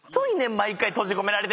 毎回閉じ込められて。